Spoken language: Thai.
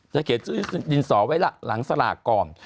เขียนชื่อดินสอไว้หลังสลากก่อน